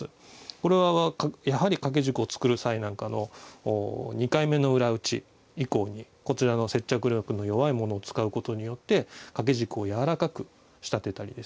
これはやはり掛け軸を作る際なんかの２回目の裏打ち以降にこちらの接着力の弱いものを使うことによって掛け軸をやわらかく仕立てたりですね